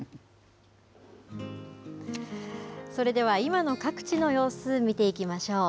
それでは、今の各地の様子、見ていきましょう。